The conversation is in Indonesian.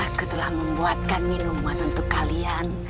aku telah membuatkan minuman untuk kalian